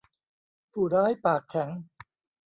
ผู้ร้ายปากแข็ง